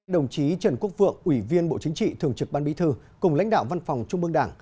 đồng chí trần quốc vượng ủy viên bộ chính trị thường trực ban bí thư cùng lãnh đạo văn phòng trung mương đảng